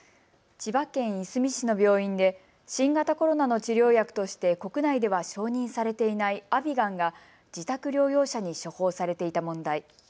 千葉県いすみ市の病院で新型コロナの治療薬として国内では承認されていないアビガンが自宅療養者に処方されていた問題。